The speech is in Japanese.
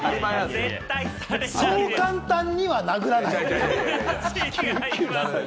そう簡単には殴らない。